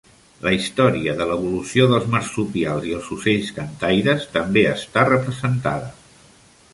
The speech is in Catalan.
La història de l"evolució dels marsupials i els ocells cantaires també està representada.